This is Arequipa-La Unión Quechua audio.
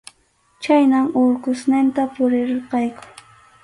Chhaynam Urqusninta puririrqayku.